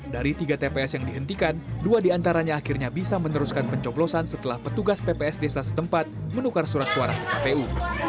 dari tiga tps yang dihentikan dua diantaranya akhirnya bisa meneruskan pencoblosan setelah petugas pps desa setempat menukar surat suara ke kpu